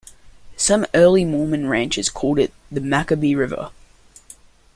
Some early Mormon ranchers called it the Macaby River.